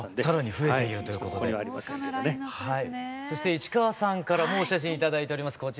そして市川さんからもお写真頂いております。